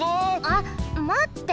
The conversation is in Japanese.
あっまって！